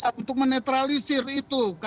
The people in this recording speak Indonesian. ya untuk menetralisir itu